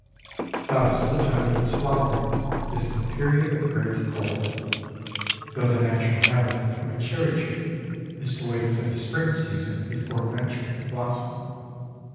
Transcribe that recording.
Thus the time of its flowering is the Period of Great Cold, — though the natural habit of a cherry tree is to wait for the spring season before ven turing to blossom.